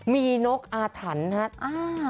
มีนกอาถรรพ์ครับ